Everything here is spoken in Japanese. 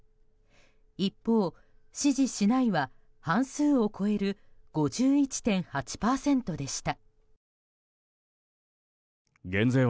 一方、支持しないは半数を超える５１．８％でした。